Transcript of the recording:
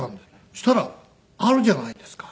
そしたらあるじゃないですか。